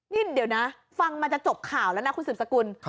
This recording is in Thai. นี่เดี๋ยวนะฟังมาจะจบข่าวแล้วนะคุณสืบสกุล